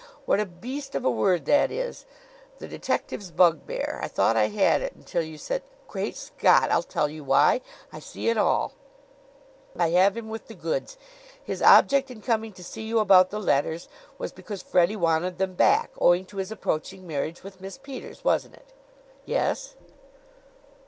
What a beast of a word that is the detective's bugbear. I thought I had it, until you said Great Scott! I'll tell you why. I see it all. I have him with the goods. His object in coming to see you about the letters was because Freddie wanted them back owing to his approaching marriage with Miss Peters wasn't it?" "Yes."